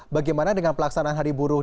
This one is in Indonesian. bagaimana dengan pelaksanaan hari buruh